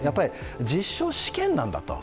実証実験なんだと。